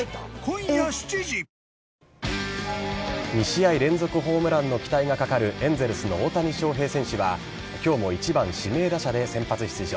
２試合連続ホームランの期待がかかるエンゼルスの大谷翔平選手は今日も１番・指名打者で先発出場。